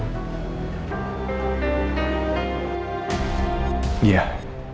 gue emang bertekad bisa bebas lebih cepat